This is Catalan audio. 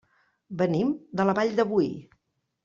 Venim de la Vall de Boí.